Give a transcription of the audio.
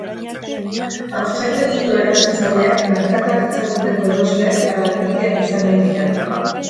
Haurtzaindegiko erabiltzaileak merkataritza-guneko erosleak eta langileak izan ohi dira.